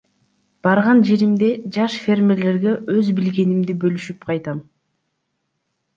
Барган жеримде жаш фермерлерге өз билгенимди бөлүшүп кайтам.